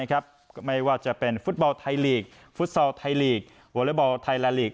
ก็ไม่ว่าจะเป็นฟุตบอลไทยลีกฟุตซอลไทยลีกวอเล็กบอลไทยแลนดลีก